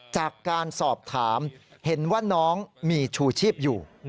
จากการสอบถามเห็นว่าน้องมีชูชีพอยู่